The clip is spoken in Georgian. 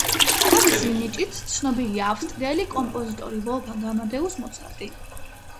თავისი ნიჭით ცნობილია ავსტრიელი კომპოზიტორი ვოლფგანგ ამადეუს მოცარტი.